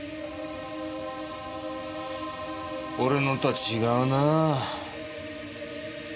俺のとは違うなぁ。